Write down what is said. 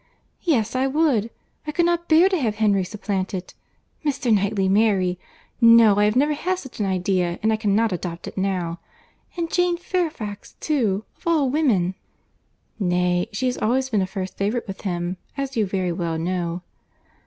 "Yes, I would. I could not bear to have Henry supplanted.—Mr. Knightley marry!—No, I have never had such an idea, and I cannot adopt it now. And Jane Fairfax, too, of all women!" "Nay, she has always been a first favourite with him, as you very well know."